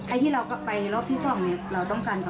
ไอ้ที่เราก็ไปรอบที่ส่องเนี่ยเราต้องการขอโทษด้วย